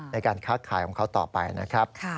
ในการค้าขายของเขาต่อไปนะครับ